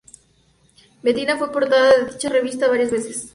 Bettina fue portada de dicha revista varias veces.